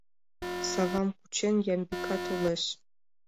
Савам кучен, Ямбика толеш.